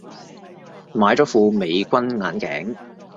買咗副美軍眼鏡